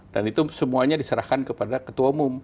dan itu semuanya diserahkan kepada ketua umum